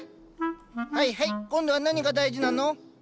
はいはい今度は何が大事なの？